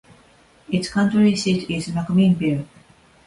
Its county seat is McMinnville.